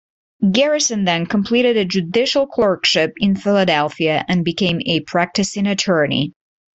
Garrison then completed a judicial clerkship in Philadelphia and became a practicing attorney.